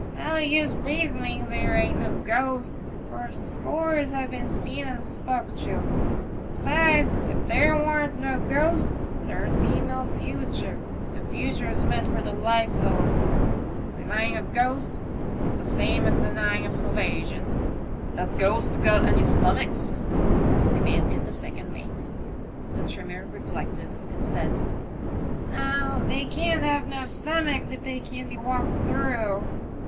" No use raysoning there ain't no ghosts, for scores have been seen and spoke to ; 'sides, if there warn't no ghosts there'd be no future, the future's meant for the likes o' them. Denying of ghosts is the same as denying of salvagion." Have ghosts got any stomachs ?" demanded the second mate. The trimmer reflected, and said, *'No, they can't have no stomachs if they can be walked through."